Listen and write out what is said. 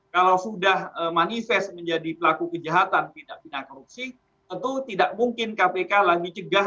kalau sudah manifest menjadi pelaku kejahatan tindak pindah korupsi tentu tidak mungkin kpk lagi cegah